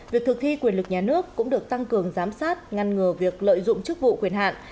việc thực thi quyền lực nhà nước cũng được tăng cường giám sát ngăn ngừa việc lợi dụng chức vụ quyền hạn